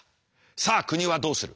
さあ国はどうする。